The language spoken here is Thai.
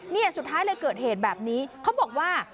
เนี่ยสุดท้ายเลยเกิดเหตุแบบนี้เขาบอกว่า